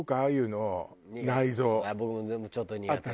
僕も全部ちょっと苦手。